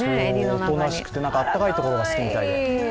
おとなしくて暖かいところが好きみたい。